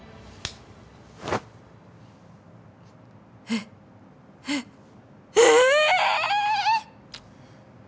えっえっえ！？